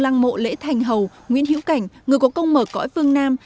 lăng mộ lễ thành hầu nguyễn hiễu cảnh người có công mở cõi phương nam